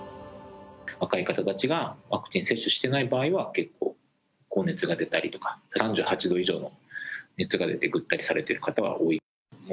若い方たちがワクチン接種していない場合は高熱が出たりとか３８度以上の熱が出てぐったりされている方は多い。